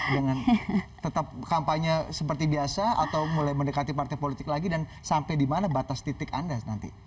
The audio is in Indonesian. dengan tetap kampanye seperti biasa atau mulai mendekati partai politik lagi dan sampai di mana batas titik anda nanti